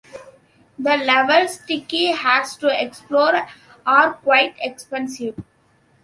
The levels Tiki has to explore are quite expansive.